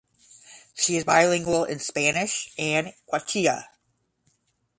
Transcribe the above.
She is bilingual in Spanish and Quechua.